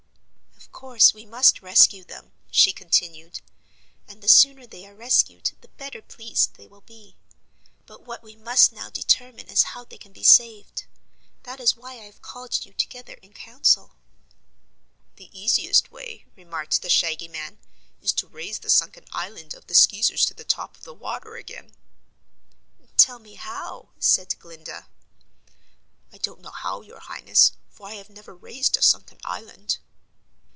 "Of course we must rescue them," she continued, "and the sooner they are rescued the better pleased they will be; but what we must now determine is how they can be saved. That is why I have called you together in council." "The easiest way," remarked the Shaggy Man, "is to raise the sunken island of the Skeezers to the top of the water again." "Tell me how?" said Glinda. "I don't know how, your Highness, for I have never raised a sunken island."